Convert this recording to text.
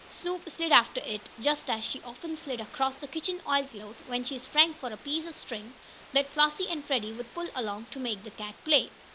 Snoop slid after it, just as she often slid across the kitchen oilcloth, when she sprang for a piece of string that Flossie or Freddie would pull along to make the cat play.